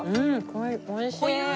おいしい。